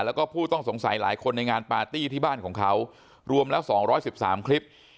แล้วก็ผู้ต้องสงสัยหลายคนในงานปาร์ตี้ที่บ้านของเขารวมแล้ว๒๑๓คลิป